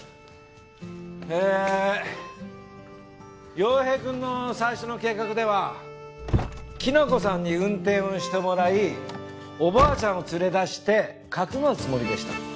陽平くんの最初の計画ではきなこさんに運転をしてもらいおばあちゃんを連れ出してかくまうつもりでした。